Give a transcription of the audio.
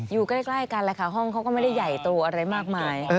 อยู่ใกล้กันแหละค่ะห้องเขาก็ไม่ได้ใหญ่โตอะไรมากมาย